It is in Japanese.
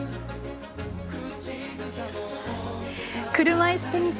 車いすテニス